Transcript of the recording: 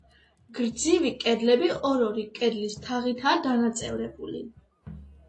გრძივი კედლები ორ-ორი კედლის თაღითაა დანაწევრებული.